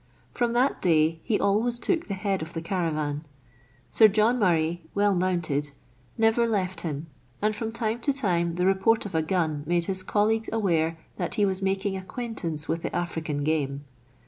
From that day, he always took the head of the caravan. Sir John Murray, well mounted, never left him, i and from time to time the report of a gun made his ; I colleagues aware that he was making acquaintance with the African game.